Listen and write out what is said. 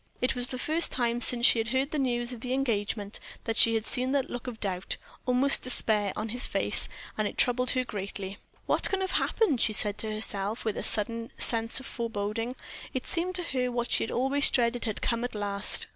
It was the first time since she had heard the news of the engagement that she had seen that look of doubt, almost despair, on his face, and it troubled her greatly. "What can have happened?" she said to herself; then, with a sudden sense of foreboding, it seemed to her what she had always dreaded had come at last.